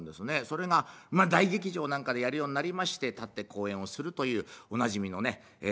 それが大劇場なんかでやるようになりまして立って口演をするというおなじみのね